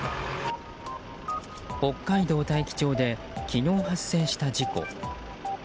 北海道大樹町で昨日発生した事故。